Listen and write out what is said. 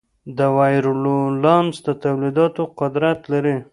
د وایرولانس د تولیدولو قدرت لري.